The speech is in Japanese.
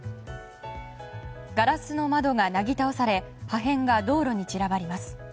ガラスの窓がなぎ倒され破片が道路に散らばります。